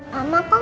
mama mau dateng